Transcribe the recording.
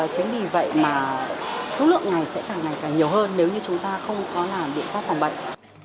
chính vì vậy mà số lượng này sẽ càng ngày càng nhiều hơn nếu như chúng ta không có làm biện pháp phòng bệnh